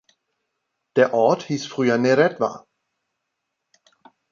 Der Ort hieß früher "Neretva".